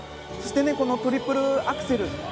そして、トリプルアクセル。